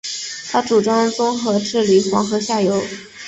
他主张综合治理黄河下游。